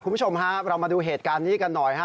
คุณผู้ชมฮะเรามาดูเหตุการณ์นี้กันหน่อยฮะ